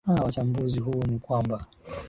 aa wachambuzi huu ni kwamba